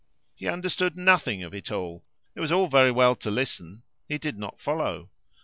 He understood nothing of it all; it was all very well to listen he did not follow.